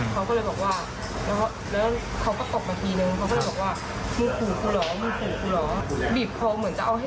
กลางนี้จงตกใจอยู่ค่ะ